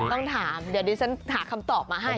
ต้องถามเดี๋ยวดิฉันหาคำตอบมาให้